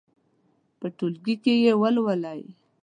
په ټولګي کې یې ولولئ.